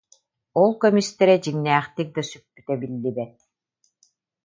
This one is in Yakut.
Ол көмүстэрэ дьиҥнээхтик да сүппүтэ биллибэт